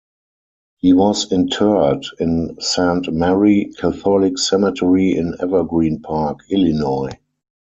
He was interred in Saint Mary Catholic Cemetery in Evergreen Park, Illinois.